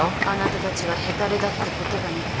あなたたちがヘタレだってことがね。